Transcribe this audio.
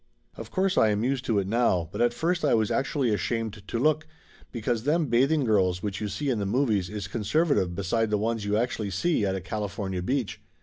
Of course I am used to it now, but at first I was actually ashamed to look, because them bathing girls which you see in the movies is conservative beside the ones you actually see at a California beach.